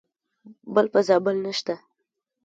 بل په زابل نشته .